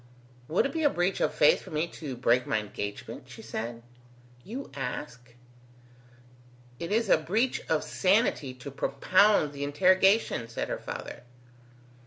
"Would it be a breach of faith for me to break my engagement?" she said. "You ask?" "It is a breach of sanity to propound the interrogation," said her father.